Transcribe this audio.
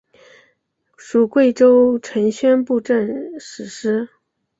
属贵州承宣布政使司。